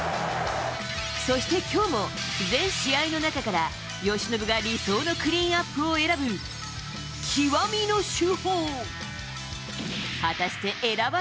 そしてきょうも、全試合の中から由伸が理想のクリーンアップを選ぶ、極みの主砲。